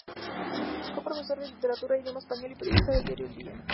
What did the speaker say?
Fue profesor de Literatura e Idioma Español y periodista del diario "El Día".